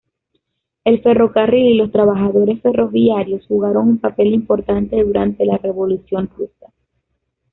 El ferrocarril y los trabajadores ferroviarios jugaron un papel importante durante la Revolución Rusa.